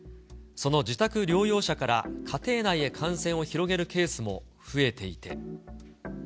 その自宅療養者から家庭内へ感染を広げるケースも増えていて。